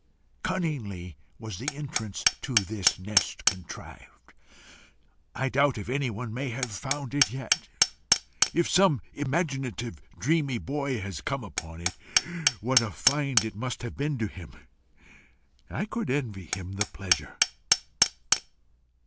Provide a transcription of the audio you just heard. Cunningly was the entrance to this nest contrived: I doubt if anyone may have found it yet. If some imaginative, dreamy boy has come upon it, what a find it must have been to him! I could envy him the pleasure.